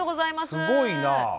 すごいな。